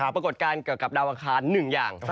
ปรากฏการณ์เกี่ยวกับดาวอังคาร๑อย่าง